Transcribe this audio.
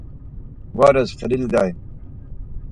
Var es Xelil Dai.